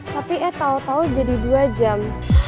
tapi eh tau tau jadi dua jam